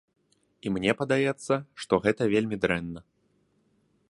І мне падаецца, што гэта вельмі дрэнна.